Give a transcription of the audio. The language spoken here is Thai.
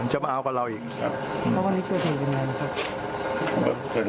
อ๋อจะมาเอาออกกับเราอีกครับเขาวันนี้เกิดยังไงนะครับ